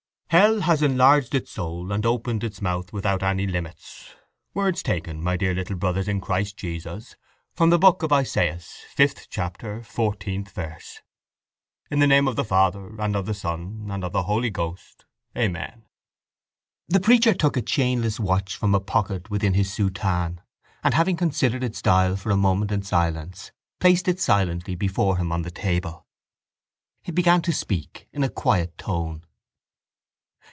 —Hell has enlarged its soul and opened its mouth without any limits—words taken, my dear little brothers in Christ Jesus, from the book of Isaias, fifth chapter, fourteenth verse. In the name of the Father and of the Son and of the Holy Ghost. Amen. The preacher took a chainless watch from a pocket within his soutane and, having considered its dial for a moment in silence, placed it silently before him on the table. He began to speak in a quiet tone.